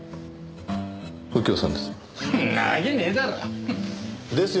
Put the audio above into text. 右京さんです。